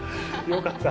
よかった。